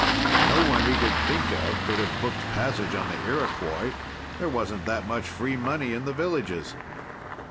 No one he could think of could have booked passage on the Iroquois. There wasn't that much free money in the villages.